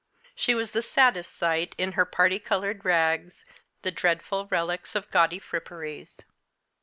She was the saddest sight in her parti coloured rags, the dreadful relics of gaudy fripperies.